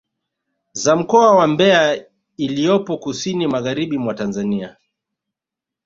Za mkoa wa Mbeya iliyopo kusini magharibi mwa Tanzania